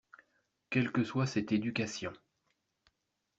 Quelle que soit cette éducation.